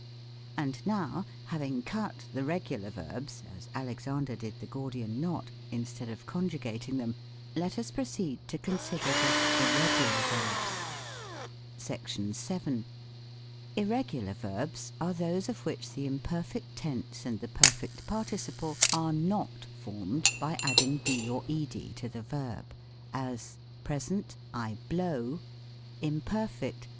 And now, having cut the regular verbs (as Alexan der did the Gordian knot) instead of conjugating them, let us proceed to consider the. IRREGULAR VERBS. SECTIOX VII. Irregular Verbs are those of which the imperfect tense and the perfect participle are not formed by adding d or ed to the verb : as, PRESENT. IMPERFECT.